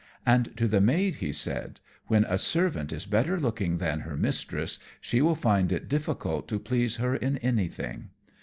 And to the maid he said, "When a servant is better looking than her mistress, she will find it difficult to please her in anything."